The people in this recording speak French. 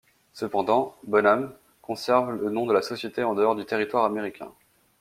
Cependant, Bonhams conserve le nom de la société en dehors du territoire américain.